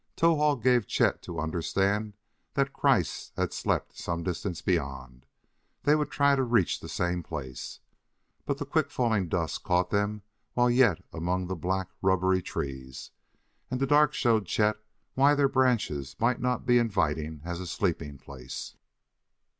Towahg gave Chet to understand that Kreiss had slept some distance beyond: they would try to reach the same place. But the quick falling dusk caught them while yet among the black rubbery trees. And the dark showed Chet why their branches might not be inviting as a sleeping place.